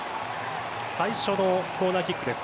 最初のコーナーキックです。